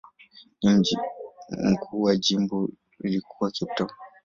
Mji mkuu wa jimbo ulikuwa Cape Town.